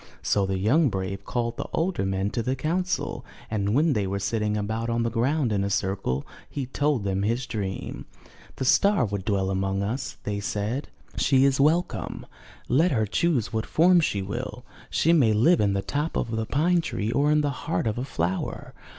So the young brave called all the older men to the council, and when they were sitting about on the ground in a circle, he told them his dream. 'The star would dwell among us,*' they said. ''She ii8 UP ONE PAIR OF STAIRS is welcome. Let her choose what form she will. She may live in the top of the pine tree or in the heart of a flower.